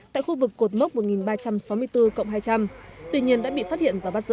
tại khu vực cột mốc một nghìn ba trăm sáu mươi bốn hai trăm linh tuy nhiên đã bị phát hiện và bắt giữ